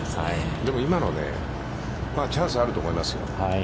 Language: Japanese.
でも、今のね、チャンスはあると思いますよ。